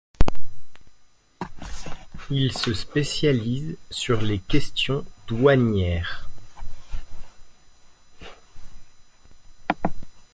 Il se spécialise sur les questions douanières.